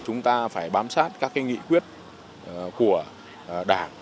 chúng ta phải bám sát các cái nghị quyết của đảng